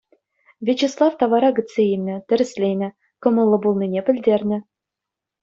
Вячеслав тавара кӗтсе илнӗ, тӗрӗсленӗ, кӑмӑллӑ пулнине пӗлтернӗ.